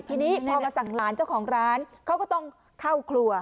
ทีนี้พอมาสั่งหลานเจ้าของร้านเขาก็ต้องเข้าครัว